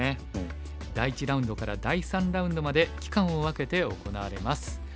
第１ラウンドから第３ラウンドまで期間を分けて行われます。